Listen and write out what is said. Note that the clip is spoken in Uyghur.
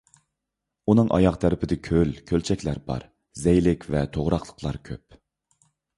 ئۇنىڭ ئاياغ تەرىپىدە كۆل، كۆلچەكلەر بار، زەيلىك ۋە توغراقلىقلار كۆپ.